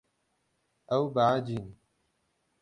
Ew behecîn.